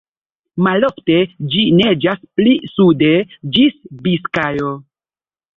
Malofte ĝi naĝas pli sude, ĝis Biskajo.